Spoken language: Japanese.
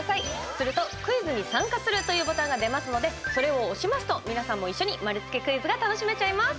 すると「クイズに参加する」というボタンが出ますのでそれを押しますと皆さんも一緒に丸つけクイズが楽しめちゃいます。